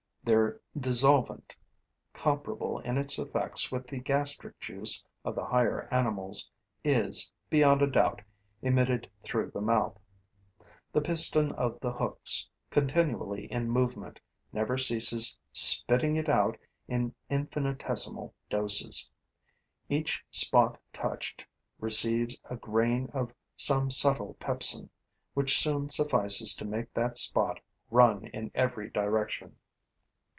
Their dissolvent, comparable in its effects with the gastric juice of the higher animals, is, beyond a doubt, emitted through the mouth. The piston of the hooks, continually in movement, never ceases spitting it out in infinitesimal doses. Each spot touched receives a grain of some subtle pepsin, which soon suffices to make that spot run in every direction.